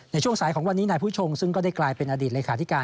ในช่วงสายของวันนี้นายผู้ชงซึ่งก็ได้กลายเป็นอดีตเลขาธิการ